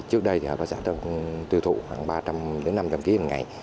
trước đây thì hợp tác xã đã tiêu thụ khoảng ba trăm linh năm trăm linh kg một ngày